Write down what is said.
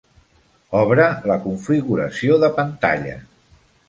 Obre la configuració de pantalla.